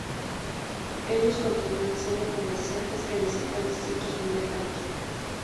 Ellos continúan siendo comerciantes que visitan distritos muy lejanos.